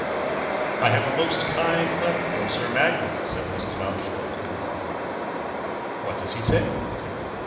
"I have a most kind letter from Sir Magnus," said Mrs. Mountjoy to her daughter. "What does he say?"